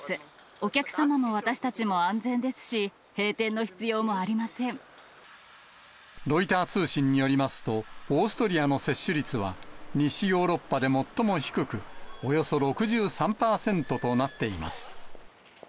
お客様も私たちも安全ですし、ロイター通信によりますと、オーストリアの接種率は西ヨーロッパで最も低く、およそ６３％となっています。